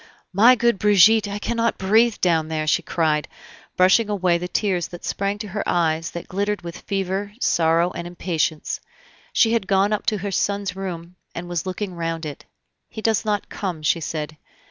"My good Brigitte, I cannot breathe down there!" she cried, brushing away the tears that sprang to her eyes that glittered with fever, sorrow, and impatience. She had gone up to her son's room, and was looking round it. "He does not come," she said.